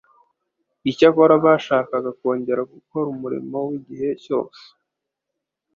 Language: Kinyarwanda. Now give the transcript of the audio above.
Icyakora, bashakaga kongera gukora umurimo w'igihe cyose